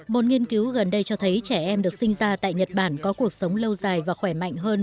một nghiên cứu gần đây cho thấy trẻ em được sinh ra tại nhật bản có cuộc sống lâu dài và khỏe mạnh hơn